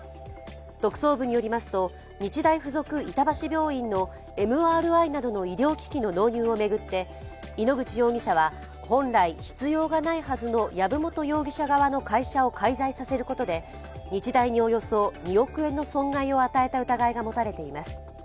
特捜部によりますと日大附属板橋病院のＭＲＩなどの医療機器の納入を巡って井ノ口容疑者は本来、必要がないはずの藪本容疑者側の会社を介在させるこで日大におよそ２億円の損害を与えた疑いが持たれています。